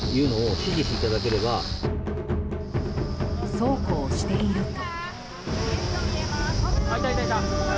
そうこうしていると。